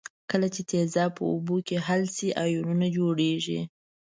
کله چې تیزاب په اوبو کې حل شي آیونونه جوړیږي.